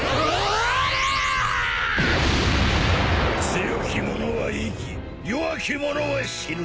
強き者は生き弱き者は死ぬ。